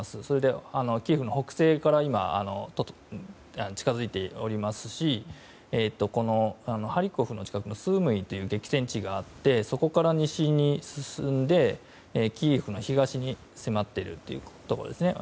それでキエフの北西から近づいておりますしハリコフの近くのスムイという激戦地があってそこから西に進んでキエフの東に迫っているところです。